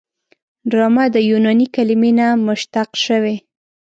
ډرامه د یوناني کلمې نه مشتق شوې.